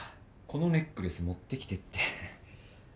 このネックレス持ってきてって。